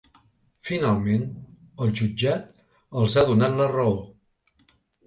Finalment, el jutjat els ha donat la raó.